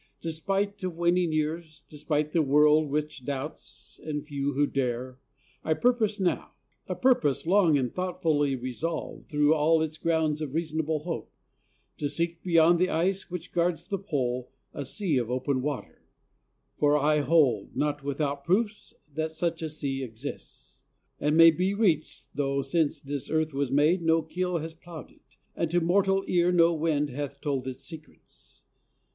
Despite of waning years, despite the world Which doubts, the few who dare, I purpose now A purpose long and thoughtfully resolved, Through all its grounds of reasonable hope To seek beyond the ice which guards the Pole, A sea of open water; for I hold, Not without proofs, that such a sea exists, And may be reached, though since this earth was made No keel hath ploughed it, and to mortal ear No wind hath told its secrets....